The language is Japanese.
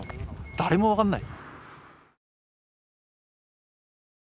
誰も分かんない。